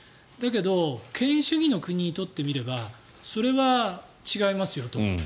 だけど権威主義の国にとってみればそれは違いますよと。